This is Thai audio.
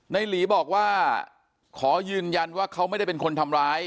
หลีบอกว่าขอยืนยันว่าเขาไม่ได้เป็นคนทำร้าย